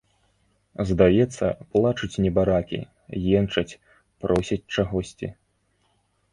Здаецца, плачуць небаракі, енчаць, просяць чагосьці.